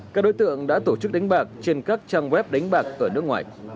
các đối tượng đã tổ chức đánh bạc trên các trang web đánh bạc ở nước ngoài